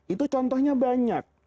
itu contohnya banyak